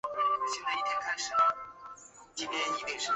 同时播出部分参赛者与监制黄慧君之对谈。